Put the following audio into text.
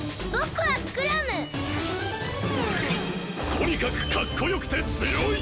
とにかくかっこよくてつよい！